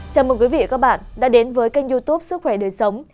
chào mừng quý vị và các bạn đã đến với kênh youtube sức khỏe đời sống